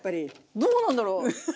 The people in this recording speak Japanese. どうなんだろう。